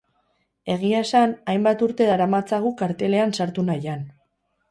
Egia esan, hainbat urte daramatzagu kartelean sartu nahian.